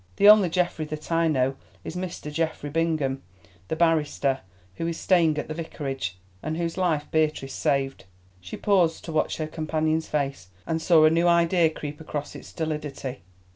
The only Geoffrey that I know is Mr. Geoffrey Bingham, the barrister, who is staying at the Vicarage, and whose life Beatrice saved." She paused to watch her companion's face, and saw a new idea creep across its stolidity.